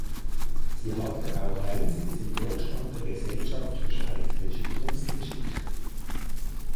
Sie hatte auch Einsitz im Vorstand der Gesellschaft für Schweizerische Kunstgeschichte.